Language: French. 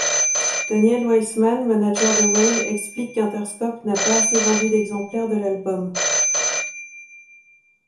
Daniel Weisman, manager de Wale, explique qu'Interscope n'a pas assez vendu d'exemplaires de l'album.